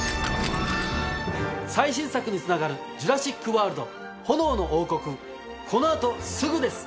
最新作につながる『ジュラシック・ワールド炎の王国』この後すぐです！